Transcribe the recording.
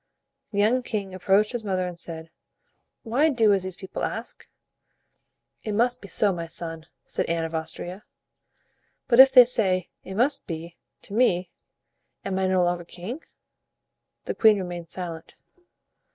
The young king approached his mother and said, "Why do as these people ask?" "It must be so, my son," said Anne of Austria. "But if they say, 'it must be' to me, am I no longer king?" The queen remained silent.